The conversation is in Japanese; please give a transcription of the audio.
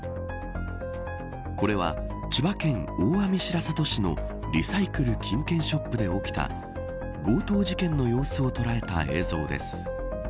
これは、千葉県大網白里市のリサイクル・金券ショップで起きた強盗事件の様子を捉えた映像です。